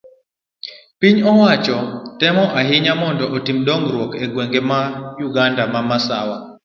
piny owacho temo ahinya mondo otim dongruok e gwenge ma Uganda ma Masawa